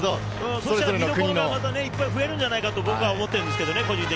見どころがまたいっぱい増えるんじゃないかと僕は思っているんですけれど。